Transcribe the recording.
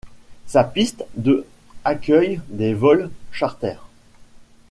Sa piste de accueille des vols charters.